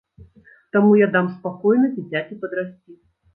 Таму я дам спакойна дзіцяці падрасці.